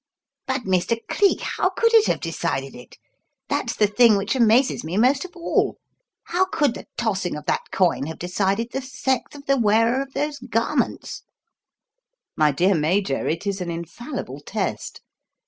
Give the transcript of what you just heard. "But, Mr. Cleek, how could it have decided it? That's the thing which amazes me most of all. How could the tossing of that coin have decided the sex of the wearer of those garments?" "My dear Major, it is an infallible test.